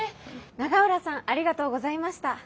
永浦さんありがとうございました。